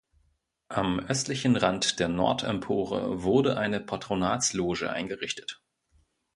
Am östlichen Rand der Nordempore wurde eine Patronatsloge eingerichtet.